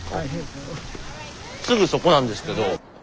すぐそこなんですけど。